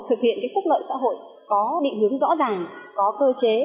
thực hiện phúc lợi xã hội có định hướng rõ ràng có cơ chế